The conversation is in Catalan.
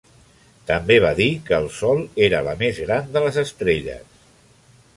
També va dir que el sol era la més gran de les estrelles.